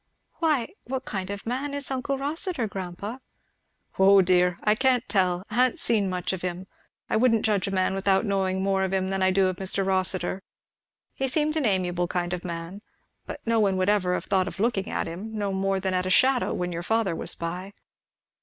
"Why what kind of a man is uncle Rossitur, grandpa?" "Ho dear! I can't tell. I ha'n't seen much of him. I wouldn't judge a man without knowing more of him than I do of Mr. Rossitur. He seemed an amiable kind of man. But no one would ever have thought of looking at him, no more than at a shadow, when your father was by."